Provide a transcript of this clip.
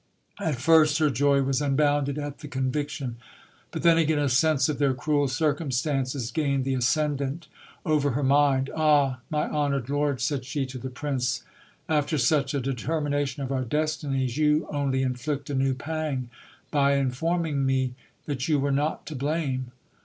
At first her joy was unbounded at the conviction ; but then again a sense of their cruel circumstances gained the ascendant over her mind. Ah ! my honoured lord, said she to the prince, after such a determina tion of our destinies, you only inflict a new pang by informing me that you were not to blame.